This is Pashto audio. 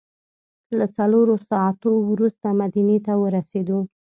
له څلورو ساعتو وروسته مدینې ته ورسېدو.